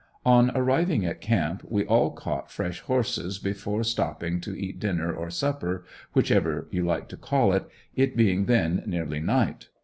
On arriving at camp, we all caught fresh horses before stopping to eat dinner or supper, whichever you like to call it, it being then nearly night.